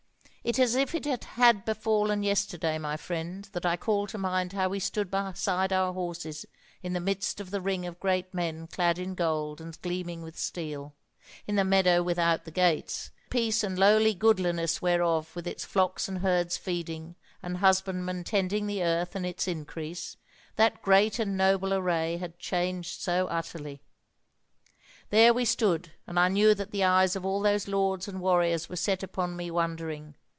"It is as if it had befallen yesterday, my friend, that I call to mind how we stood beside our horses in the midst of the ring of great men clad in gold and gleaming with steel, in the meadow without the gates, the peace and lowly goodliness whereof with its flocks and herds feeding, and husbandmen tending the earth and its increase, that great and noble array had changed so utterly. There we stood, and I knew that the eyes of all those lords and warriors were set upon me wondering.